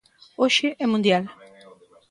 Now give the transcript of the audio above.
Hoxe é mundial.